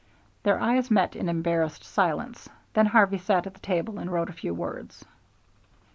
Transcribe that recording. Their eyes met in embarrassed silence, then Harvey sat at the table and wrote a few words.